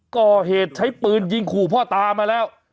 ก่อเหตุใช้ปืนยิงขู่พ่อตามาแล้ว